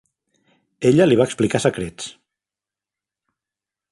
Ella li va explicar secrets.